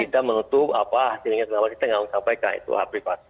kita menutup apa kita tidak mencapai karena itu aplikasi